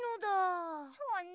そうね。